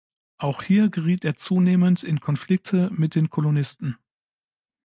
Auch hier geriet er zunehmend in Konflikte mit den Kolonisten.